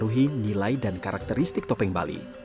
mulai dari garis elemen utama yang membentukkan topeng bali